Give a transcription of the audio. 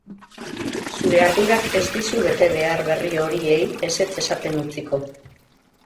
Zure ardurak ez dizu betebehar berri horiei ezetz esaten utziko.